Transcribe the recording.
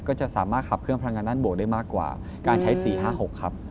ก็จะสามารถขับเครื่องพลังงานด้านบวกได้มากกว่าการใช้๔๕๖ครับ